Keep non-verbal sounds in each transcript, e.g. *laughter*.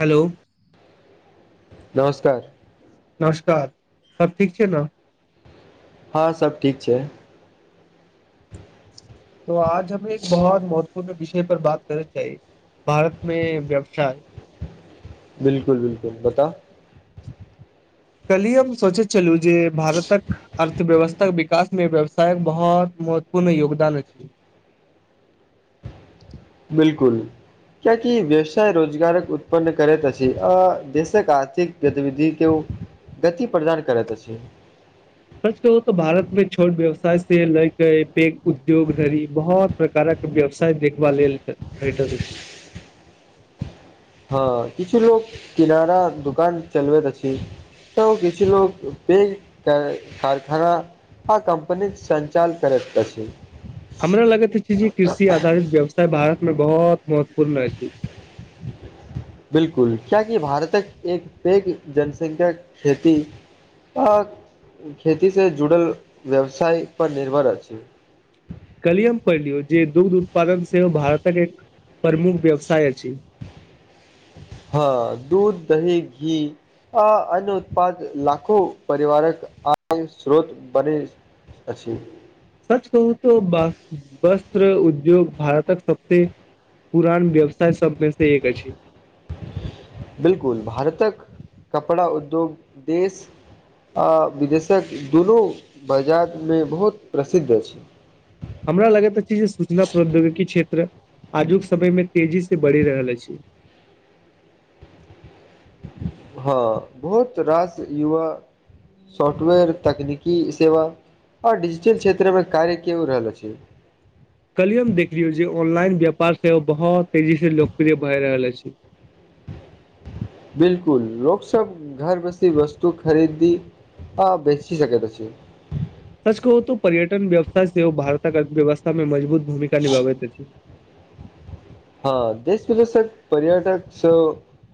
Hello नमस्कार नमस्कार सब ठीक छै न हँ सब ठीक छै। त आज हमे एक बौहत महत्वपूर्ण विषय पर बात कर चाही भारत मे व्यवसाय। बिल्कुल- बिलकुल बताउ। कल्हि हम सोचैत छलहुँ जे भारतक। अर्थव्यवस्था के विकास मे व्यवसायक बहुत महत्वपूर्ण योगदान अछि। बिलकुल। क्याकी व्यवसाय रोजगारक उत्पन्न करैत अछि, देशक आर्थिक गतिविधि के ओ गति प्रदान करैत अछि छै। सच कहू भारत में छोट व्यवसाय से लअके पेध उद्योग धरि बहुत प्रकारक।। व्यवसाय देखबा लेल भेटल छै। हँ किछु लोग किनारा दोकान चलबैत अछि। तऽ किछु लोग पे कारखाना। ह कंपनी के संचाल करैत अछि। हमरा लगैत छै जे कृषि आधारित व्यवसाय भारत में बहुत महत्वपूर्ण अछि। बिलकुल क्याकि भारतक एक पैघ जनसंख्या खेती। आ खेती से जुड़ल व्यवसाय पर निर्भर अछि। कलिय प लियौ जे दूग्ध उत्पादन सेहो भारतक एक प्रमुख व्यवसाय अछि। हँ दूध दही घी आ अन्न उत्पादाद लाखो परिवारक आ स्रोत बने अछी। सच कहू तऽ ब- वस्त्र उद्योग भारतक सबसे। पुरान व्यवसाय सबमे से एक अछि। बिलकुल भारतक कपड़ा उद्योग देश आ विदेशक दुनू बाजारमे बहुत प्रसिद्ध अछि। हमरा लगैत अछि जे सूचना प्रौद्योगिकी क्षेत्र आजुक समय मे तेजी से बढ़ि रहल अछि। हँ बहुत रास युवा सॉफ्टवेयर तकनीकी सेवा आ डिजिटल क्षेत्रमे कार्य कयो रहल अछि। कलियए हम देखलियौ जे ऑनलाइन व्यापार सेहो बहुत तेजी से लोकप्रिय भए रहल अछि। बिलकुल लोक सब घर बसी वस्तु खरीदी। *inaudible* सच कहू तो पर्यटन व्यवसथ से ओ भारतक अर्थव्यवस्था में मजबूत भूमिका निभाबेैत अछि। हँ देश विदेशक पर्यटक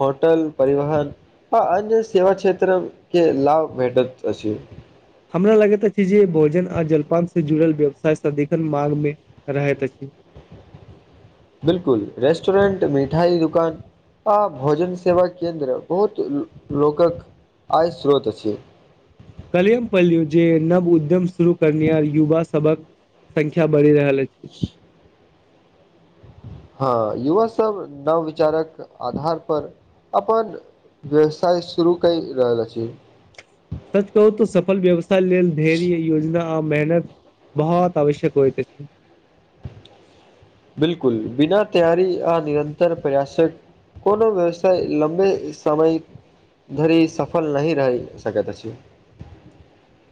होटल परिवहन। आ अन्य सेवा क्षेत्र के लाभ भेटत अछि। हमरा लगैत अछि जे भोजन आ जलपान से जुड़ल व्यवसाय सदिखन मांग मे रहैत अछि। बिलकुल रेस्टोरेंट मिठाई दुकान आ भोजन सेवा केन्द्र बहुत लोकक आय श्रोत अछि। कलियम पल्लू जे नव उद्यम शुरू करनिहार युवा सबहक संख्या बढ़ि रहल अछि। हँ युवा सब नवविचारक आधार पर अपन व्यवसाय शुरू करि रहल अछि। सच कहू तो सफल व्यवसाय लेल ढ़ेरी योजना आ मेहनत बहुत आवश्यक होइ अछि। बिलकुल बिना तैयरी आ निरन्तर प्रयासक कोनो व्यवसाय लम्बे समय धरी सफल नहि रहि सकत अछि।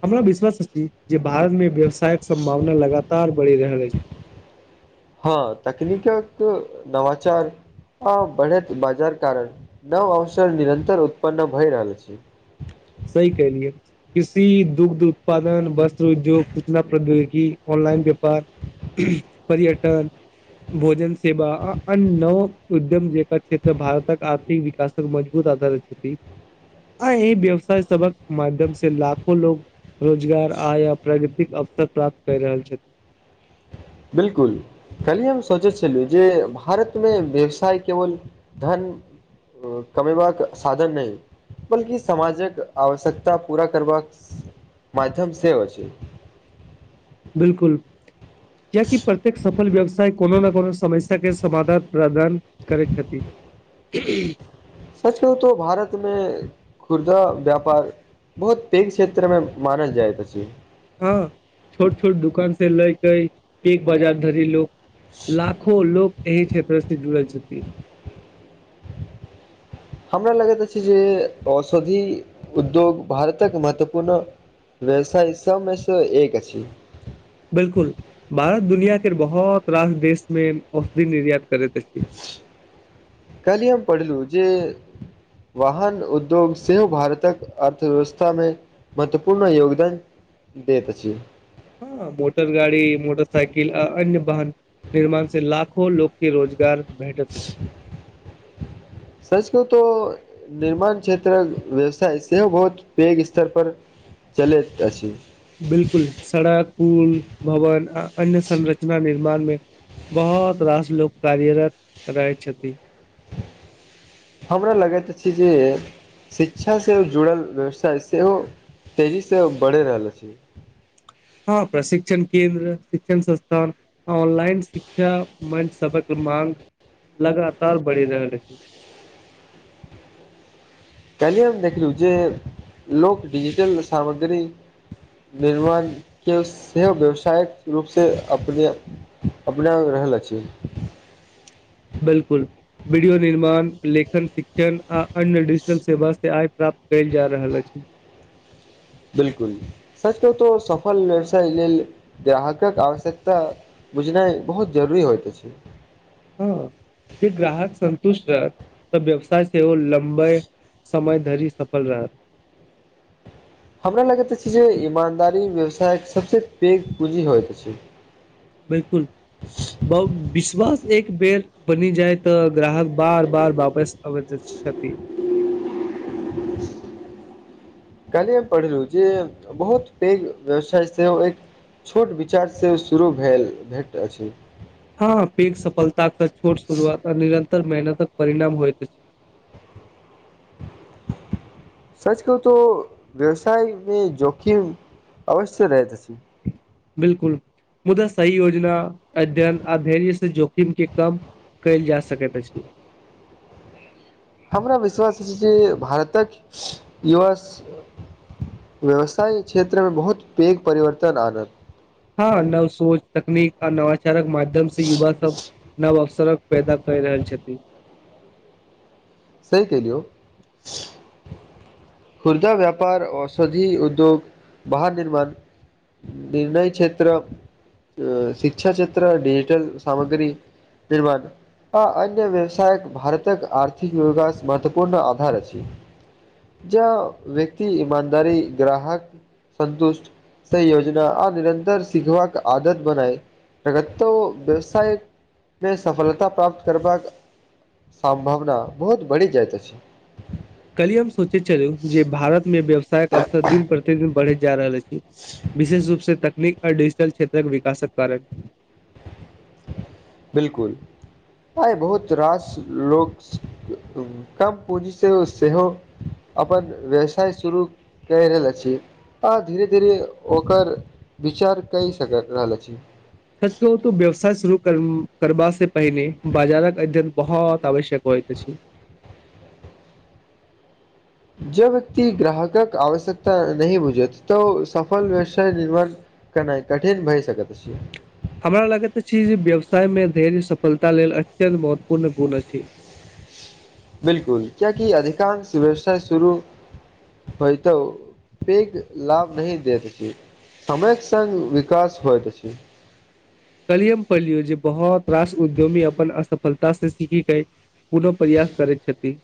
हमरा विश्वास अछि, जे भारत मे व्यवसायक सम्भावना लगातार बढ़ि रहल अछि। हँ तकनीकक नवाचार। आ बढ़ैत बाजार कारण नव अवसर निरंतर उत्पन्न भय रहल अछि। सही कलियए कृषि दुग्ध उत्पादन वस्त्र उद्योग सूचना प्रौद्योगिकी। ऑनलाइन व्यापार पर्यटन भोजन सेवा आ अन्य नव उद्यम जेकर क्षेत्र भारतक आर्थिक विकास मजबुत आधार अइ अव्य आ व्य *unintelligible* सबक माध्यम से लाखो लोग रोजगार आय प्राकृतिक अवसर प्राप्त कय रहल छथि। बिलकुल काइल हम सोचै छलहु जे भारतमे व्यवसाय केवल धन कमेबाक साधन नै बल्कि समाजक आवश्यकता पूरा करबाक माध्यम सेहो अछि। बिलकुल किया कि प्रत्येक सफल व्यवसाय कोनो न कोनो समय तखन समाधान प्रदान करैत हेथि सच कहु त भारतमे खुर्दा व्यापार बहुत पैघ क्षेत्र मे मानल जाइत अछि। हँ छोट छोट दुकान से लैके बिग बाजार धरी लोक लाखो लोक एहि क्षेत्रस जुड़ल छथि। हमरा लगैत अछि जे औषधि उद्योग भारतक महत्वपूर्ण, व्यवसाय सबमेस एक अछि। बिलकुल भारत दुनिया के बहुत रास देश मे औषधि निर्यात करैत हेती कल्हिये हम पढ़लहु जे, वाहन उद्योग सेहो भारतक अर्थव्यवस्थामे, महत्वपूर्ण योगदान दैत अछि। ह मोटर गाड़ी मोटर साइकिल आ अन्य बाहन निर्माण से लाखो लोक के रोजगार भेटैत अछि सच कहु तऽ निर्माण क्षेत्रक व्यवसाय सेहो पैघ स्तर पर चलैत अछि। बिलकुल सड़क पुल भवन आ अन्य संरचना निर्मानमे बहुत रास लोक कार्यरत रहैय छथि। हमरा लगैत अछि जे शिक्षा स जुड़ल व्यवसाय सेहो तेजी से बढ़ि रहल अछि। हँ प्रशिक्षण केन्द्र, शिक्षण संस्थान, ऑनलाइन शिक्षा मंच सबहक मांग लगातार बढ़ि रहल अछि। काल्हिये हम देखलू जे लोक डिजिटल सामग्री निर्माण के सेहो व्यावसायिक रूपसे *unintelligible* अपने अपना रहल अछि। बिलकुल वीडियो निर्माण लेखन शिक्षण आ अन्य डिजिटल सेवा से आय प्राप्त कयल जा रहल अछि। बिलकुल सच कहु तो सफल व्यवसाय लेल ग्राहकक आवश्यकता बुझनाइ बहुत जरुरी होइत अछि। हू हू जे ग्राहक संतुष्ट रहत तऽ व्यवसाय सेहो लमबैय समय धरि सफल रहत। हमरा लगैत अछि जे ईमानदारी व्यवसायके सबसँ पैघ पूॅजी होइत छै। बिलकुल ब-विश्वास एक बेर बनी जाए तऽ ग्राहक बार बार वापस अबैत छथि। काल्हि हम पढ़लहु जे बहुत पैघ व्यवसाय सेहो एक छोट विचार सेहो शुरू भेल भेट अछि, हँ पैघ सफलता के छोट शुरुआत निरंतर मेहनत परिणाम होइत अछि। सच कहू तो व्यवसायमे जोखिम अवश्य रहैत अछि। बिलकुल मुदा सही योजना अध्ययन आध्यस जोखिम के काम। कैल जा सकैत अछि। हमरा विश्वास अछि जे भारतक युवास। व्यवसाय क्षेत्रमे बहुत पेघ परिवर्तन आनल। ह नव सोच। तकनीक आ नवाचारक माध्यम से युवा सब नव अवसरक पैदा केय रहल छथिन। सही केहलियौ। खुर्जा व्यापार औषधि उद्योग बाहन निर्माण। निर्णय क्षेत्र अ शिक्षा क्षेत्र डिजिटल सामग्री। तइ दुआर। आ अन्य व्यवसायक भारतक आर्थिक विकास महत्वपूर्ण आधार अछि। ज व्यक्ति ईमानदारी ग्राहक सन्तुष्ट। स योजना आ निरन्तर सिखबाक आदत बनाइ। प्रगतो व्यवसायमे सफलता प्राप्त करबाक। सम्भावना बहुत बड़ी जाइत अछि। काइल्हे हम सोचै छलहुँ जे भारत में व्यवसायक अवसर दिन प्रतिदिन बढ़ेत जा रहल अछि। विशेष रूप से तकनीक आ डिजिटल क्षेत्रक विकासक कारण। बिल्कुल। आइ बहुत रास लोक हुनका पूँजीसँ सेहो। अपन व्यवसाय शुरू करेला छी आ धीरे-धीरे ओकर। विचार कै सकत रहल छी। सच कहु त व्यवसाय शुरू करबा से पहिने बाजारक अध्ययन बहोत आवश्यक होइत अछि। जबकि ग्राहकक आवश्यकता नहि बुझत तँ ओ सफल। निर्भर करनाइ कठिन भए सकत छै। हमरा लगैत छि जे व्यवसाय मे धैर्य सफलता लेल अत्यंत महत्वपूर्ण गुण अछि। बिलकुल किएकी अधिकांश व्यवसाय शुरू। होइ त उ पेघ लाभ नहिं दे सकैया। समयक संग विकास होइत अछि। कलिय पढ़लियो जे बहोत रास उद्योमी अपन असफलता से सीखिक आइ। पुनो प्रयास करै छथिन।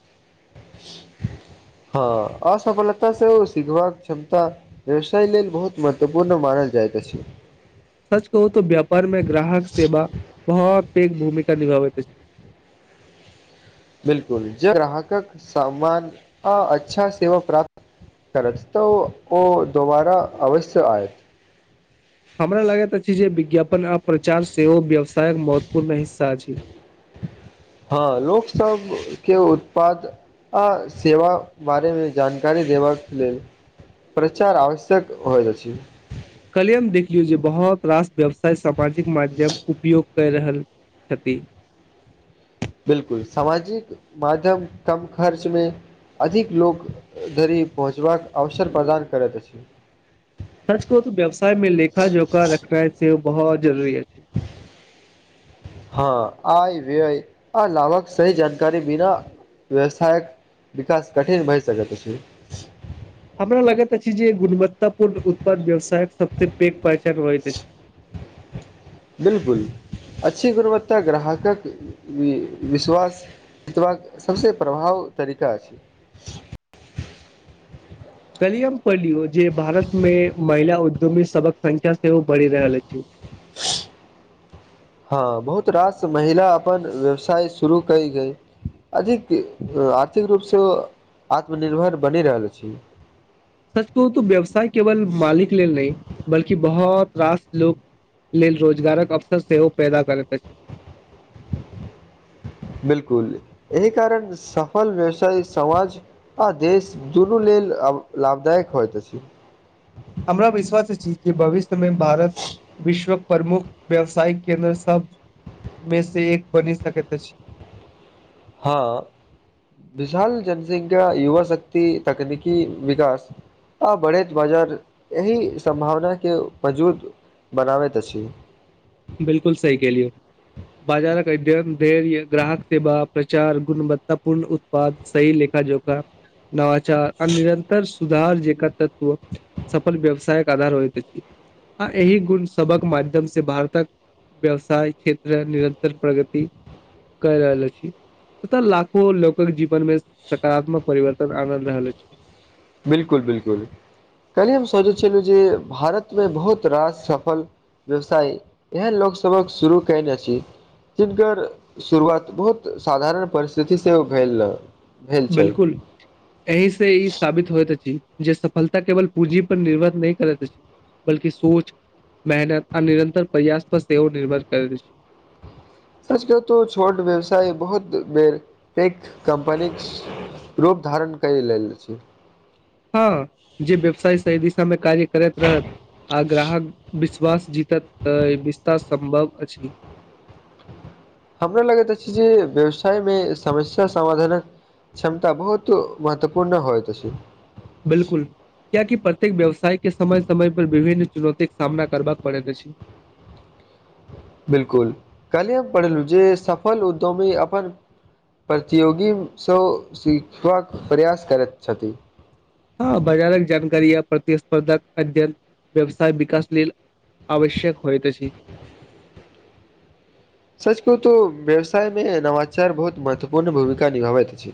हँ असफलता से ओ सिखबाक क्षमता। व्यवसाय लेल बहुत महत्वपूर्ण मानल जाइत अछि। सच कहु त व्यापार मे ग्राहक सेवा बहुत पेघ भूमिका निभाबैत अछि। बिलकुल ज ग्राहकक सामान आ अच्छा सेवा प्राप्त। करसतौ ओ दोबारा अवश्य आयत। हमरा लागैत अछि जे विज्ञापन आ प्रचार सेहो व्यवसायक महत्वपूर्ण हिस्सा अछि। हँ लोकसब के उत्पात। आ सेवा बारेमे जानकारी देबाक लेल। परचार आवश्यक हो जाइ छै। कलियम देखियौ जे बहोत रास व्यवसाय सामाजिक माध्यम उपयोग। कहि रहल छति। बिलकुल सामाजिक माध्यम कम खर्च मे। अधिक लोक धरि पहोचबाक अवसर प्रदान करैत अछि। सच कहु तऽ व्यवसाय मे लेखा जोखा रखनै सेहो बहुत जरूरी अछि। हँ आय व्यय आ लाभक सही जानकारी बिना व्यवसायक विकास कठिन भए सकैत अछि। हमरा लगैत अछि जे गुणवत्तापूर्ण उत्पाद व्यवसायक सबसं पैघ पहचान होइत अछि। बिलकुल, अच्छी गुणवत्ता ग्राहकक विश्वास जितबाक सबसँ प्रभावी तरीका छै। काल्हिये हम पढ़लहु जे भारत मे महिला उद्यमी सबक संख्या सेहो बढ़ि रहल अछि। हँ बहुत रास महिला अपन व्यवसाय शुरू कय अधिक आर्थिक रूपसँ ओ आत्मनिर्भर बनि रहल अछि। सच कहु त व्यवसाय केवल मालिक लेल नहि बल्कि बहुत रास लोक मिलि रोजगारक अवसर सेहो पैदा करैत अछि बिलकुल एहि कारण सफल व्यवसाय समाज आ देश दुनू लेल लाभदायक होयत अछि। हमरा विश्वास अछि जे भविष्य मे भारत विश्वक प्रमुख व्यावसाय केन्द्र सब मे से एक बनि सकैत अछि हँ विशाल जनसंख्या युवा शक्त तकनीकी विकास आ बढ़ैत बाजार एहि सम्भावनाके वजूद बनाबैत अछि बिलकुल सही कहलियै बाजारक अध्ययन, धैर्य, ग्राहक सेवा, प्रचार गुणवत्तपूर्ण उत्पाद, सही लेखा जोखा, नवाचार आ निरन्तर सुधार जेका तत्व सफल व्यवसायक आधार होइत अछि। एहि गुण सबक माध्यम से भारतक व्यवसाय, क्षेत्र, निरंतर प्रगति कय रहल अछि। तथा लाखो लोकक जीवन मे सकारात्मक परिवर्तन आनि रहल अछि। बिलकुल बिलकुल, काल्हि हम सोचै छलहुँ जे भारतमे बहुत रास सफल व्यवसाय एहन लोकसभक शुरू कयल अछि जिनकर शुरुआत बहुत साधारण परिस्थितिसं भेल रहए बिलकुल एहि से ई साबित होइत अछि जे सफलता केवल पूंजी पर निर्भर नहि करैत अछि बल्कि सोच, मेहनत आ निरन्तर प्रयास पर सेहो निर्भर करैत अछि। सच कहु त छोट व्यवसाय बहुत बेर पैघ कम्पनी रूप धारण कय लेल अछि। हँ, जे व्यवसाय सही दिशा मे कार्य करैत रहत आ ग्राहकक विश्वास जीतत तऽ विस्तार सम्भव अछि हमरा लगैत अछि जे व्यवसाय मे समस्या समाधानक क्षमता बहुत महत्वपूर्ण होइत अछि बिलकुल कियाकि प्रत्येक व्यवसाय के समय समय पर विभिन्न चुनौती के सामना करबाक पड़ैत अछि। बिलकुल, काल्हि हम पढ़लहु जे सफल उद्यमी अपन प्रतियोगीसँ सिखबाक प्रयास करैत छथि हँ बाजारक जानकारी आ प्रतिस्पर्धाक अध्ययन व्यवसाय विकास लेल आवश्यक होइत अछि। सच कहू तऽ व्यवसायमे नवाचार बहुत महत्वपूर्ण भूमिका निभाबैत अछि।